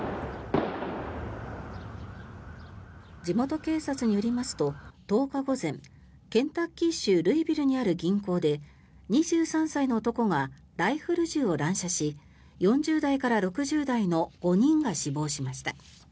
地元警察によりますと１０日午前ケンタッキー州ルイビルにある銀行で２３歳の男がライフル銃を乱射し４０代から６０代の５人が死亡しました。